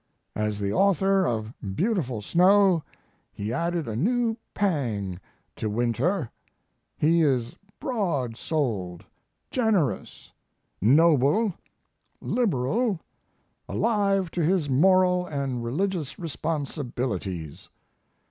As the author of 'Beautiful Snow' he added a new pang to winter. He is broad souled, generous, noble, liberal, alive to his moral and religious responsibilities.